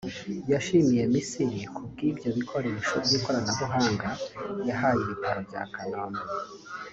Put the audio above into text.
yashimiye Misiri ku bw’ibyo bikoresho by’ikoranabuhanga yahaye ibitaro bya Kanombe